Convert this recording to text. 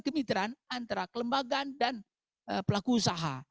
kemitraan antara kelembagaan dan pelaku usaha